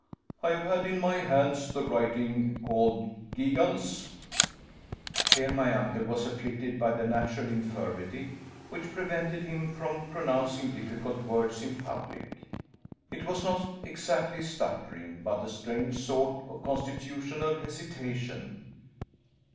I have had in my hands the writing called Gigans " Here my uncle was afflicted by the natural infirmity which prevented him from pronouncing difficult words in public. It was not exactly stuttering, but a strange sort of constitutional hesitation.